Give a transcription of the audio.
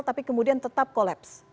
tapi kemudian tetap kolaps